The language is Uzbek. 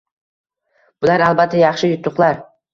Bular, albatta, yaxshi yutuqlar.